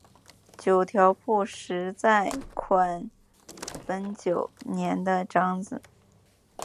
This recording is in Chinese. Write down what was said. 九条辅实在宽文九年的长子。